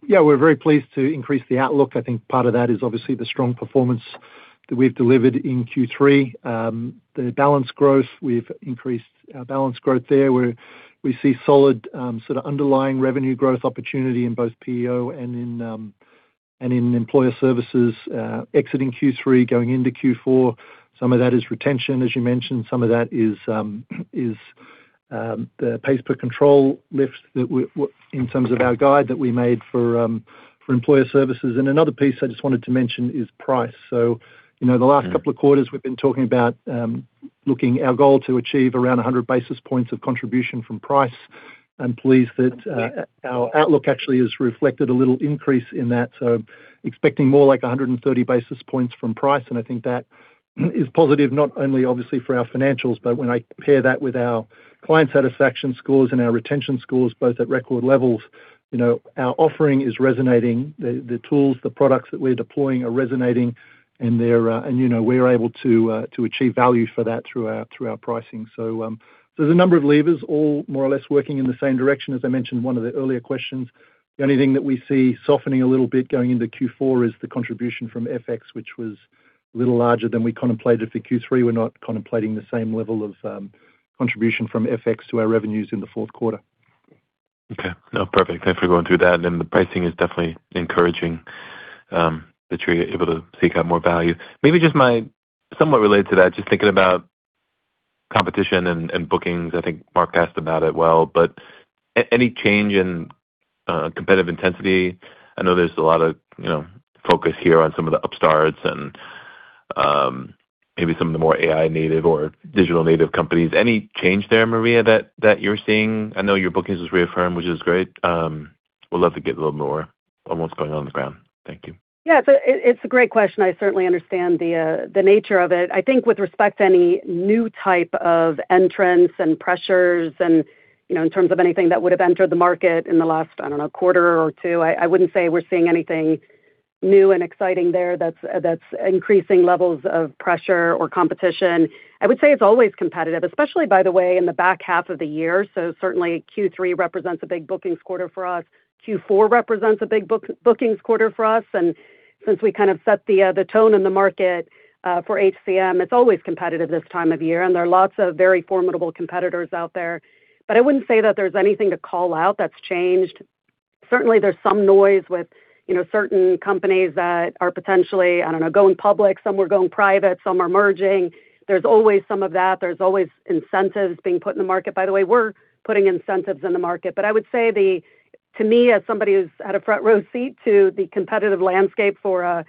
We're very pleased to increase the outlook. I think part of that is obviously the strong performance that we've delivered in Q3. The balance growth, we've increased our balance growth there, where we see solid, sort of underlying revenue growth opportunity in both PEO and in Employer Services, exiting Q3, going into Q4. Some of that is retention, as you mentioned. Some of that is the pace per control lift that we in terms of our guide that we made for Employer Services. Another piece I just wanted to mention is price. You know, the last couple of quarters we've been talking about, Our goal to achieve around 100 basis points of contribution from price. I'm pleased that our outlook actually has reflected a little increase in that. Expecting more like 130 basis points from price, I think that is positive, not only obviously for our financials, but when I pair that with our client satisfaction scores and our retention scores, both at record levels, you know, our offering is resonating. The tools, the products that we're deploying are resonating. You know, we're able to achieve value for that through our pricing. There's a number of levers, all more or less working in the same direction, as I mentioned in one of the earlier questions. The only thing that we see softening a little bit going into Q4 is the contribution from FX, which was a little larger than we contemplated for Q3. We're not contemplating the same level of contribution from FX to our revenues in the fourth quarter. Okay. No, perfect. Thanks for going through that. The pricing is definitely encouraging that you're able to seek out more value. Maybe just somewhat related to that, just thinking about competition and bookings. I think Mark Marcon talked about it well. Any change in competitive intensity? I know there's a lot of, you know, focus here on some of the upstarts and maybe some of the more AI native or digital native companies. Any change there, Maria Black, that you're seeing? I know your bookings was reaffirmed, which is great. Would love to get a little more on what's going on on the ground. Thank you. Yeah. It's a great question. I certainly understand the nature of it. I think with respect to any new type of entrants and pressures and, you know, in terms of anything that would have entered the market in the last, I don't know, quarter or two, I wouldn't say we're seeing anything new and exciting there that's increasing levels of pressure or competition. I would say it's always competitive, especially, by the way, in the back half of the year. Certainly Q3 represents a big bookings quarter for us. Q4 represents a big bookings quarter for us. Since we kind of set the tone in the market for HCM, it's always competitive this time of year, and there are lots of very formidable competitors out there. I wouldn't say that there's anything to call out that's changed. Certainly, there's some noise with, you know, certain companies that are potentially, I don't know, going public. Some are going private, some are merging. There's always some of that. There's always incentives being put in the market. By the way, we're putting incentives in the market. I would say the. To me, as somebody who's had a front row seat to the competitive landscape for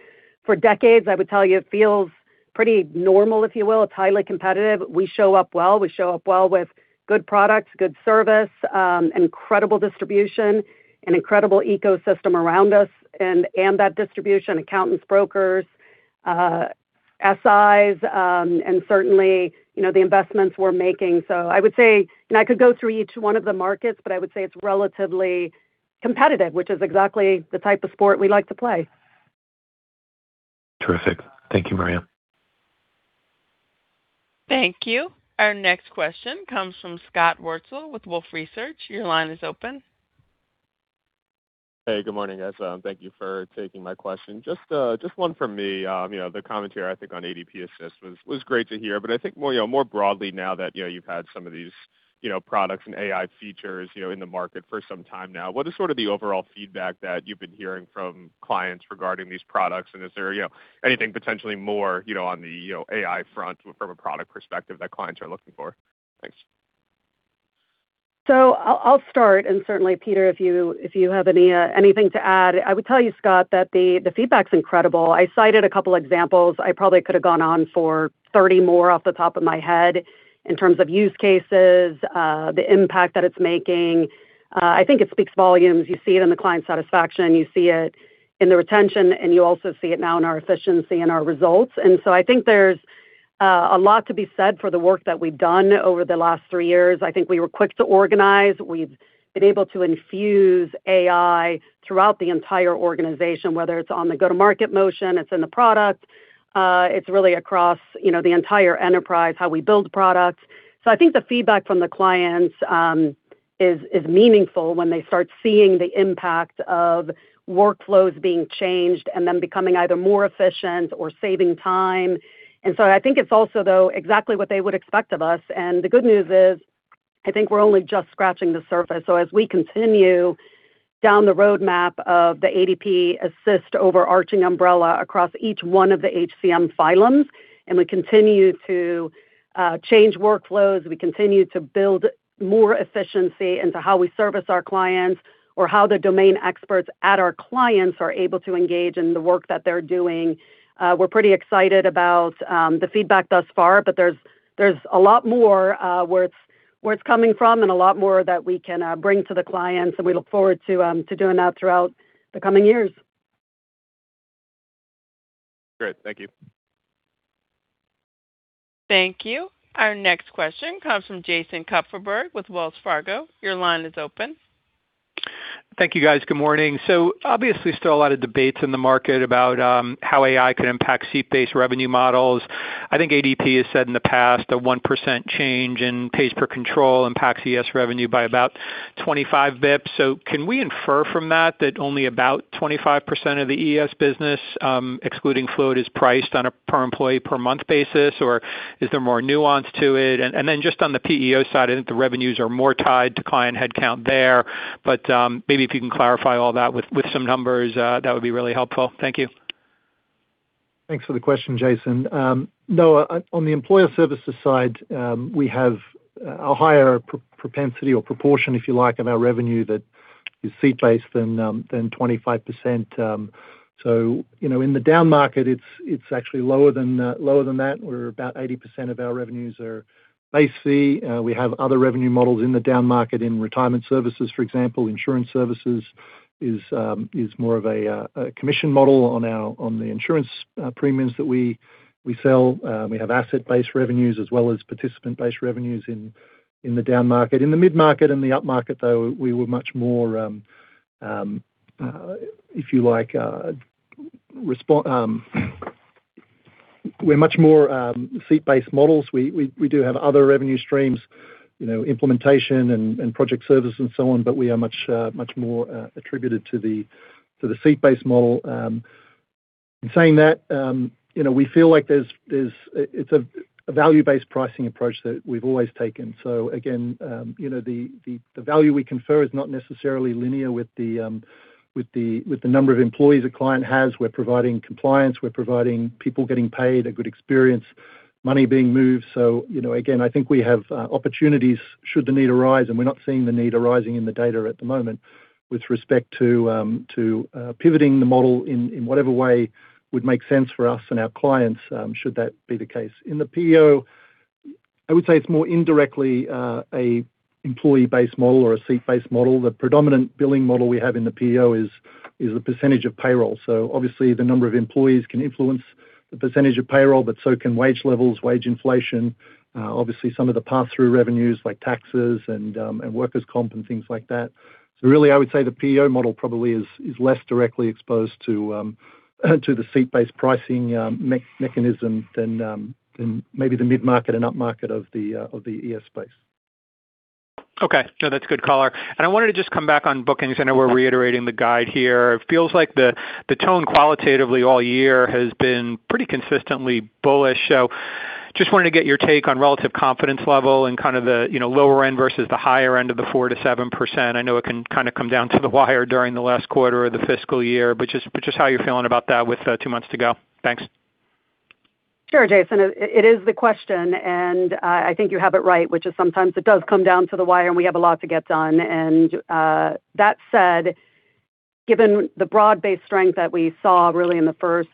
decades, I would tell you it feels pretty normal, if you will. It's highly competitive. We show up well. We show up well with good products, good service, incredible distribution, an incredible ecosystem around us and that distribution, accountants, brokers, SIs, and certainly, you know, the investments we're making. I would say. I could go through each one of the markets, but I would say it's relatively competitive, which is exactly the type of sport we like to play. Terrific. Thank you, Maria Black. Thank you. Our next question comes from Scott Wurtzel with Wolfe Research. Hey, good morning, guys. Thank you for taking my question. Just one for me. You know, the commentary, I think, on ADP Assist was great to hear. I think more, you know, more broadly now that, you know, you've had some of these, you know, products and AI features, you know, in the market for some time now, what is sort of the overall feedback that you've been hearing from clients regarding these products? Is there, you know, anything potentially more, you know, on the, you know, AI front from a product perspective that clients are looking for? Thanks. I'll start, and certainly, Peter, if you, if you have any, anything to add. I would tell you, Scott, that the feedback's incredible. I cited a couple examples. I probably could have gone on for 30 more off the top of my head in terms of use cases, the impact that it's making. I think it speaks volumes. You see it in the client satisfaction, you see it in the retention, and you also see it now in our efficiency and our results. I think there's a lot to be said for the work that we've done over the last three years. I think we were quick to organize. We've been able to infuse AI throughout the entire organization, whether it's on the go-to-market motion, it's in the product, it's really across, you know, the entire enterprise, how we build products. I think the feedback from the clients is meaningful when they start seeing the impact of workflows being changed and them becoming either more efficient or saving time. I think it's also, though, exactly what they would expect of us. The good news is, I think we're only just scratching the surface. As we continue down the roadmap of the ADP Assist overarching umbrella across each one of the HCM phylums, and we continue to change workflows, we continue to build more efficiency into how we service our clients or how the domain experts at our clients are able to engage in the work that they're doing. We're pretty excited about the feedback thus far, but there's a lot more where it's coming from and a lot more that we can bring to the clients, and we look forward to doing that throughout the coming years. Great. Thank you. Thank you. Our next question comes from Jason Kupferberg with Wells Fargo. Your line is open. Thank you, guys. Good morning. obviously, still a lot of debates in the market about how AI could impact seat-based revenue models. I think ADP has said in the past, a 1% change in pace per control impacts ES revenue by about 25 basis points. Can we infer from that only about 25% of the ES business, excluding float, is priced on a per employee per month basis, or is there more nuance to it? Just on the PEO side, I think the revenues are more tied to client headcount there, but maybe if you can clarify all that with some numbers, that would be really helpful. Thank you. Thanks for the question, Jason. No, on the Employer Services side, we have a higher propensity or proportion, if you like, of our revenue that is seat based than 25%. You know, in the down market, it's actually lower than that, where about 80% of our revenues are basically, we have other revenue models in the down market in retirement services, for example. Insurance services is more of a commission model on the insurance premiums that we sell. We have asset-based revenues as well as participant-based revenues in the down market. In the mid-market and the upmarket, though, we were much more, if you like, we're much more seat-based models. We do have other revenue streams, you know, implementation and project service and so on, but we are much more attributed to the seat-based model. In saying that, you know, we feel like there's a value-based pricing approach that we've always taken. Again, you know, the value we confer is not necessarily linear with the number of employees a client has. We're providing compliance, we're providing people getting paid, a good experience, money being moved. You know, again, I think we have opportunities should the need arise, and we're not seeing the need arising in the data at the moment with respect to pivoting the model in whatever way would make sense for us and our clients, should that be the case. In the PEO, I would say it's more indirectly, an employee-based model or a seat-based model. The predominant billing model we have in the PEO is a percentage of payroll. Obviously, the number of employees can influence the percentage of payroll, but so can wage levels, wage inflation, obviously some of the pass-through revenues like taxes and workers' comp and things like that. Really, I would say the PEO model probably is less directly exposed to the seat-based pricing mechanism than maybe the mid-market and upmarket of the ES space. Okay. No, that's a good color. I wanted to just come back on bookings. I know we're reiterating the guide here. It feels like the tone qualitatively all year has been pretty consistently bullish. Just wanted to get your take on relative confidence level and kind of the, you know, lower end versus the higher end of the 4%-7%. I know it can kind of come down to the wire during the last quarter of the fiscal year. Just how you're feeling about that with two months to go. Thanks. Sure, Jason. It is the question, I think you have it right, which is sometimes it does come down to the wire, and we have a lot to get done. That said, given the broad-based strength that we saw really in the first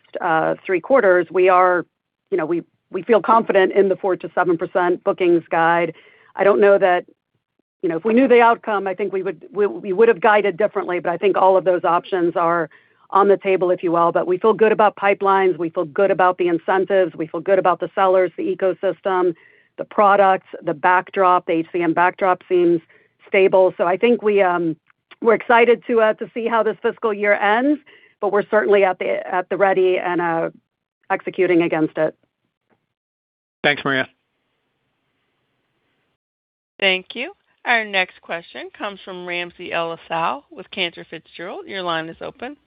three quarters, we feel confident in the 4%-7% bookings guide. I don't know if we knew the outcome, I think we would have guided differently, I think all of those options are on the table, if you will. We feel good about pipelines. We feel good about the incentives. We feel good about the sellers, the ecosystem, the products, the backdrop, the HCM backdrop seems stable. I think we're excited to see how this fiscal year ends, but we're certainly at the ready and executing against it. Thanks, Maria. Thank you. Our next question comes from Ramsey El-Assal with Cantor Fitzgerald. Your line is open.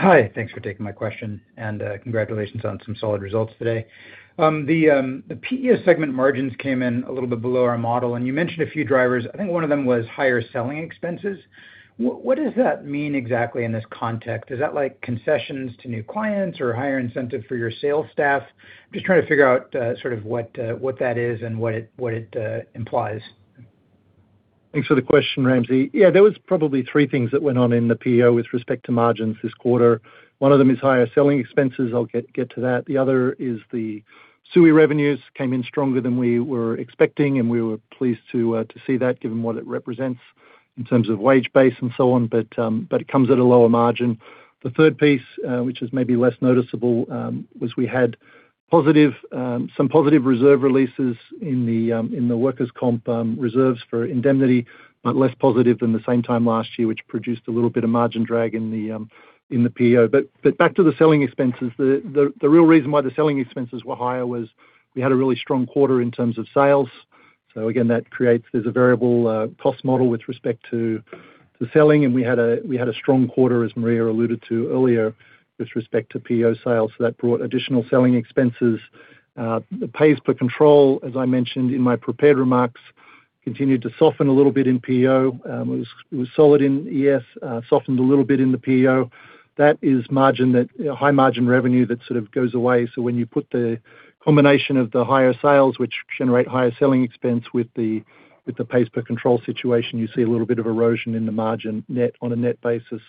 Hi. Thanks for taking my question, congratulations on some solid results today. The PEO segment margins came in a little bit below our model, you mentioned a few drivers. I think one of them was higher selling expenses. What does that mean exactly in this context? Is that like concessions to new clients or higher incentive for your sales staff? Just trying to figure out sort of what that is and what it implies. Thanks for the question, Ramsey. Yeah, there was probably three things that went on in the PEO with respect to margins this quarter. One of them is higher selling expenses. I'll get to that. The other is the SUI revenues came in stronger than we were expecting, and we were pleased to see that given what it represents in terms of wage base and so on, but it comes at a lower margin. The third piece, which is maybe less noticeable, was we had positive, some positive reserve releases in the workers' comp reserves for indemnity, but less positive than the same time last year, which produced a little bit of margin drag in the PEO. Back to the selling expenses, the real reason why the selling expenses were higher was we had a really strong quarter in terms of sales. Again, that creates there's a variable cost model with respect to selling, and we had a strong quarter, as Maria Black alluded to earlier, with respect to PEO sales. That brought additional selling expenses. The pace per control, as I mentioned in my prepared remarks, continued to soften a little bit in PEO. It was solid in ES, softened a little bit in the PEO. That is margin that, you know, high margin revenue that sort of goes away. When you put the combination of the higher sales, which generate higher selling expense with the pace per control situation, you see a little bit of erosion in the margin net on a net basis,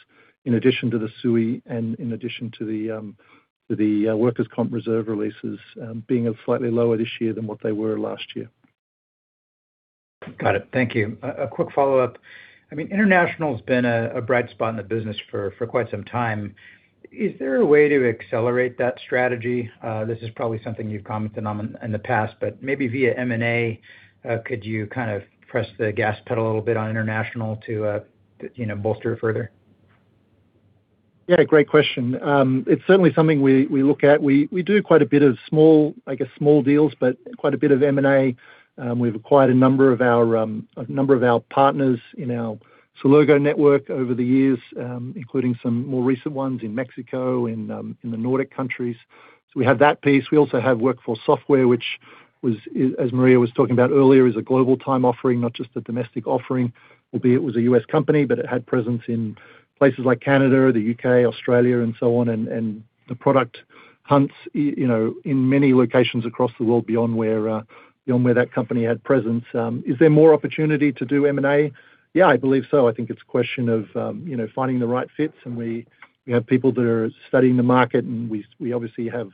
in addition to the SUI and in addition to the workers' comp reserve releases being slightly lower this year than what they were last year. Got it. Thank you. A quick follow-up. I mean, international has been a bright spot in the business for quite some time. Is there a way to accelerate that strategy? This is probably something you've commented on in the past, maybe via M&A, could you kind of press the gas pedal a little bit on international to, you know, bolster it further? Great question. It's certainly something we look at. We do quite a bit of small, I guess, small deals, but quite a bit of M&A. We've acquired a number of our, a number of our partners in our Celergo network over the years, including some more recent ones in Mexico, in the Nordic countries. We have that piece. We also have WorkForce Software, which was, as Maria was talking about earlier, is a global time offering, not just a domestic offering. Albeit it was a U.S. company, but it had presence in places like Canada, the U.K., Australia, and so on. The product hunts, you know, in many locations across the world beyond where, beyond where that company had presence. Is there more opportunity to do M&A? I believe so. I think it's a question of, you know, finding the right fits, and we have people that are studying the market, and we obviously have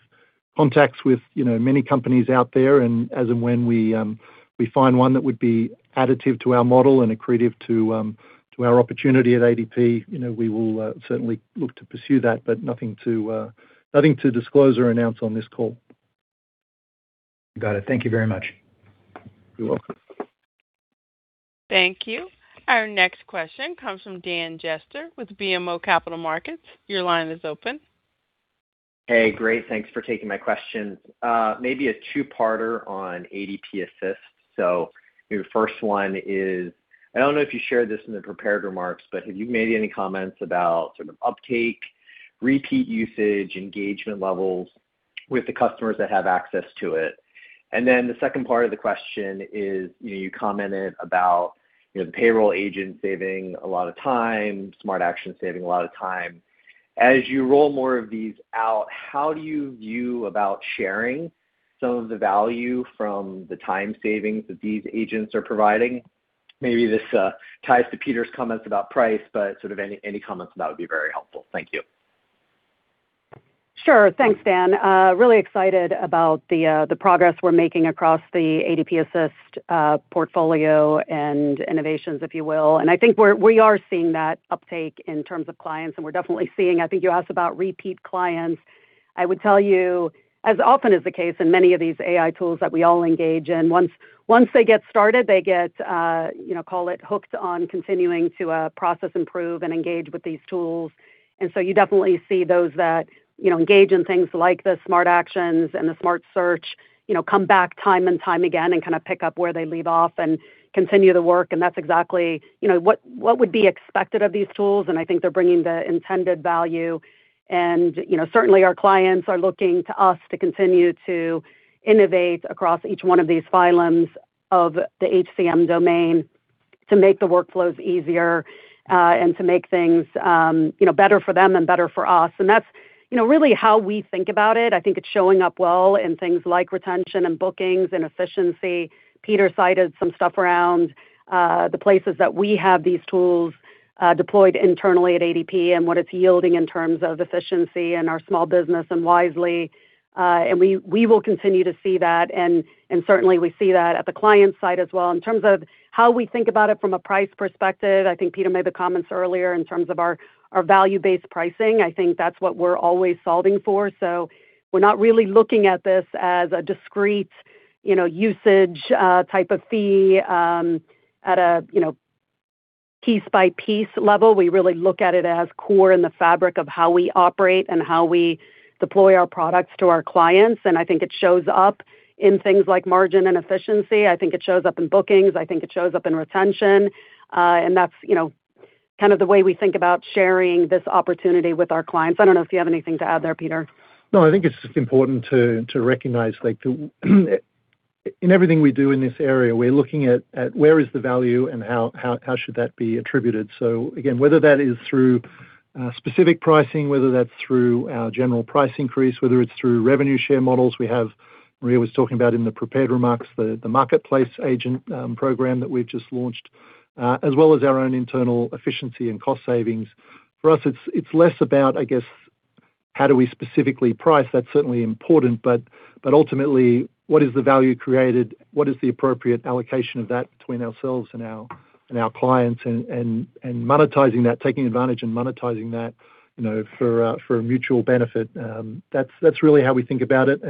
contacts with, you know, many companies out there. As of when we find one that would be additive to our model and accretive to our opportunity at ADP, you know, we will certainly look to pursue that, but nothing to nothing to disclose or announce on this call. Got it. Thank you very much. You're welcome. Thank you. Our next question comes from Daniel Jester with BMO Capital Markets. Your line is open. Hey. Great. Thanks for taking my questions. Maybe a two-parter on ADP Assist. Your first one is, I don't know if you shared this in the prepared remarks, but have you made any comments about sort of uptake, repeat usage, engagement levels with the customers that have access to it? The second part of the question is, you know, you commented about, you know, the payroll agent saving a lot of time, Smart Actions saving a lot of time. As you roll more of these out, how do you view about sharing some of the value from the time savings that these agents are providing? Maybe this ties to Peter's comments about price, but sort of any comments on that would be very helpful. Thank you. Sure. Thanks, Dan. really excited about the progress we're making across the ADP Assist portfolio and innovations, if you will. I think we are seeing that uptake in terms of clients, and we're definitely seeing. I think you asked about repeat clients. I would tell you, as often is the case in many of these AI tools that we all engage in, once they get started, they get, you know, call it hooked on continuing to process, improve, and engage with these tools. You definitely see those that, you know, engage in things like the Smart Actions and the Smart Search, you know, come back time and time again and kind of pick up where they leave off and continue the work, and that's exactly, you know, what would be expected of these tools, and I think they're bringing the intended value. You know, certainly our clients are looking to us to continue to innovate across each one of these phylums of the HCM domain to make the workflows easier, and to make things, you know, better for them and better for us. You know, really how we think about it, I think it's showing up well in things like retention and bookings and efficiency. Peter cited some stuff around, the places that we have these tools, deployed internally at ADP and what it's yielding in terms of efficiency in our small business and Wisely. We will continue to see that, and certainly we see that at the client side as well. In terms of how we think about it from a price perspective, I think Peter made the comments earlier in terms of our value-based pricing. I think that's what we're always solving for. We're not really looking at this as a discrete, you know, usage, type of fee, at a, you know, piece by piece level. We really look at it as core in the fabric of how we operate and how we deploy our products to our clients, and I think it shows up in things like margin and efficiency. I think it shows up in bookings. I think it shows up in retention. That's, you know, kind of the way we think about sharing this opportunity with our clients. I don't know if you have anything to add there, Peter. I think it's just important to recognize, like, in everything we do in this area, we're looking at where is the value and how should that be attributed. Again, whether that is through specific pricing, whether that's through our general price increase, whether it's through revenue share models we have. Maria was talking about in the prepared remarks the marketplace agent program that we've just launched, as well as our own internal efficiency and cost savings. For us, it's less about, I guess, how do we specifically price. That's certainly important, but ultimately, what is the value created? What is the appropriate allocation of that between ourselves and our clients and monetizing that, taking advantage and monetizing that, you know, for a mutual benefit? That's really how we think about it.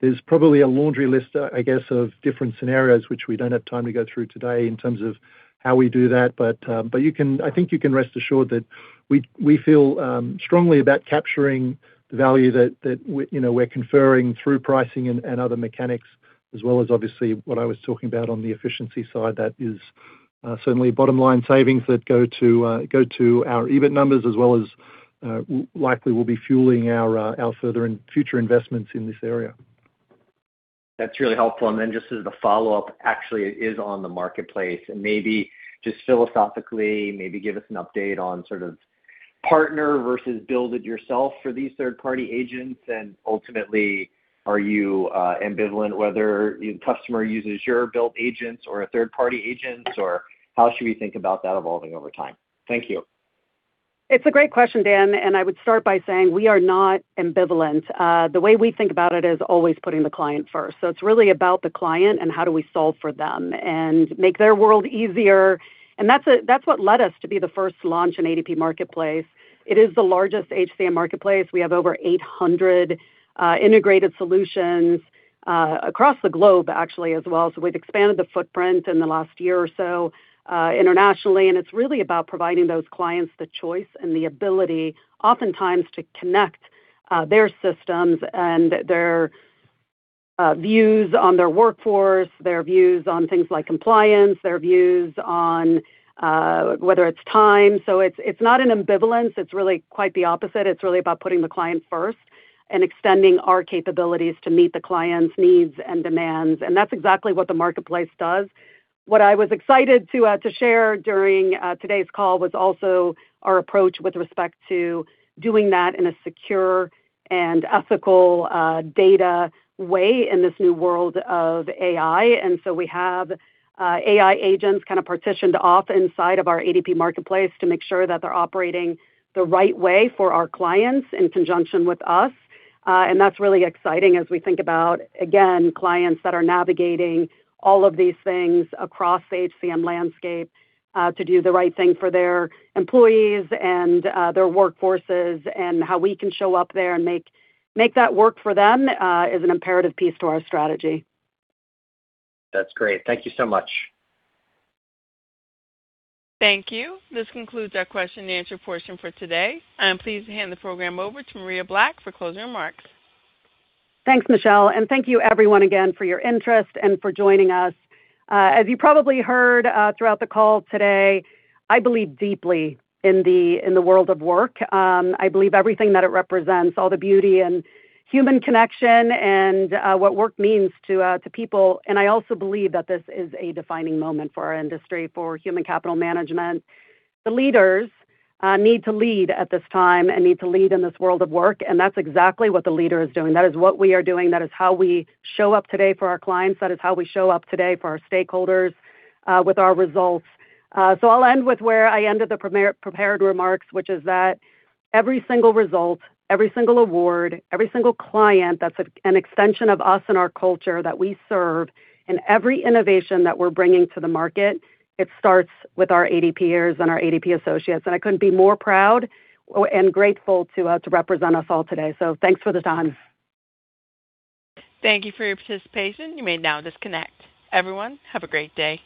There's probably a laundry list, I guess, of different scenarios which we don't have time to go through today in terms of how we do that. I think you can rest assured that we feel strongly about capturing the value that we, you know, we're conferring through pricing and other mechanics, as well as obviously what I was talking about on the efficiency side that is certainly bottom line savings that go to our EBIT numbers as well as likely will be fueling our further and future investments in this area. That's really helpful. Just as a follow-up, actually is on the ADP Marketplace, maybe just philosophically, maybe give us an update on sort of partner versus build it yourself for these third-party agents. Ultimately, are you ambivalent whether your customer uses your built agents or a third-party agent, or how should we think about that evolving over time? Thank you. It's a great question, Dan. I would start by saying we are not ambivalent. The way we think about it is always putting the client first. It's really about the client and how do we solve for them and make their world easier. That's what led us to be the first to launch an ADP Marketplace. It is the largest HCM marketplace. We have over 800 integrated solutions across the globe actually as well. We've expanded the footprint in the last year or so internationally, and it's really about providing those clients the choice and the ability oftentimes to connect their systems and their views on their workforce, their views on things like compliance, their views on whether it's time. It's not an ambivalence, it's really quite the opposite. It's really about putting the client first and extending our capabilities to meet the client's needs and demands, and that's exactly what the ADP Marketplace does. What I was excited to to share during today's call was also our approach with respect to doing that in a secure and ethical data way in this new world of AI. We have AI agents kind of partitioned off inside of our ADP Marketplace to make sure that they're operating the right way for our clients in conjunction with us. That's really exciting as we think about, again, clients that are navigating all of these things across the HCM landscape to do the right thing for their employees and their workforces and how we can show up there and make that work for them is an imperative piece to our strategy. That's great. Thank you so much. Thank you. This concludes our question and answer portion for today. I am pleased to hand the program over to Maria Black for closing remarks. Thanks, Michelle. Thank you everyone again for your interest and for joining us. As you probably heard, throughout the call today, I believe deeply in the world of work. I believe everything that it represents, all the beauty and human connection and what work means to people. I also believe that this is a defining moment for our industry, for human capital management. The leaders need to lead at this time and need to lead in this world of work. That's exactly what the leader is doing. That is what we are doing. That is how we show up today for our clients. That is how we show up today for our stakeholders with our results. I'll end with where I ended the prepared remarks, which is that every single result, every single award, every single client that's an extension of us and our culture that we serve, and every innovation that we're bringing to the market, it starts with our ADPers and our ADP associates. I couldn't be more proud and grateful to represent us all today. Thanks for the time. Thank you for your participation. You may now disconnect. Everyone, have a great day.